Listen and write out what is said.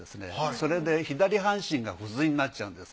それで左半身が不随になっちゃうんです。